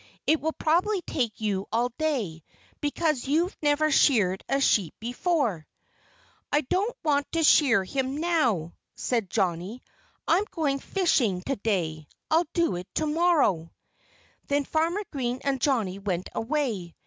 It will probably take you all day, because you've never sheared a sheep before." "I don't want to shear him now," said Johnnie. "I'm going fishing to day. I'll do it to morrow." Then Farmer Green and Johnnie went away.